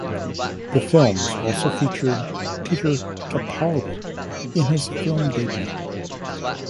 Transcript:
The films also features Peter Capaldi in his film debut.